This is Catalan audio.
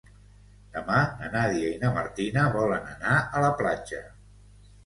Demà na Nàdia i na Martina volen anar a la platja.